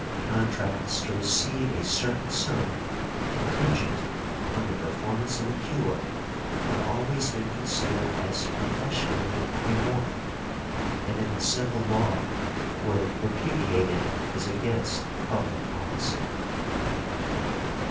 Contracts to receive a certain sum contingent upon the performance of a cure have always been considered as professionally immoral, and in the civil law were repudiated as against public policy .